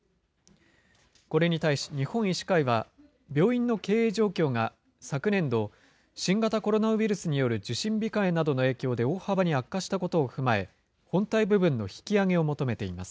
これに対し日本医師会は、病院の経営状況が昨年度、新型コロナウイルスによる受診控えなどの影響で大幅に悪化したことを踏まえ、本体部分の引き上げを求めています。